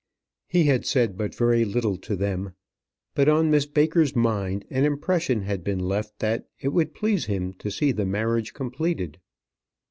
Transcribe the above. He had said but very little to them; but on Miss Baker's mind an impression had been left that it would please him to see the marriage completed.